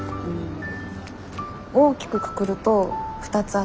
大きくくくると２つあって。